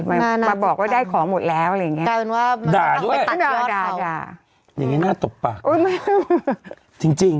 มาบอกว่าได้ของหมดแล้วอะไรอย่างนี้